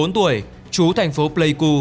bốn mươi bốn tuổi chú thành phố pleiku